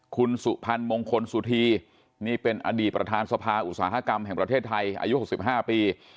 คุณสุพรรณมงคลสุธีนี่เป็นอดีตประธานสภาอุตสาหกรรมแห่งประเทศไทยอายุ๖๕ปี